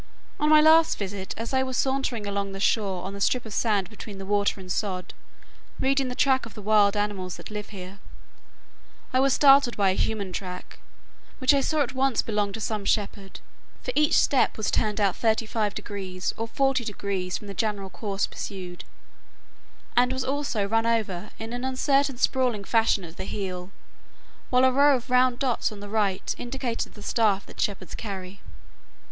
On my last visit, as I was sauntering along the shore on the strip of sand between the water and sod, reading the tracks of the wild animals that live here, I was startled by a human track, which I at once saw belonged to some shepherd; for each step was turned out 35° or 40° from the general course pursued, and was also run over in an uncertain sprawling fashion at the heel, while a row of round dots on the right indicated the staff that shepherds carry.